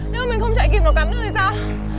nếu mà mình không chạy kịp nó cắn được thì sao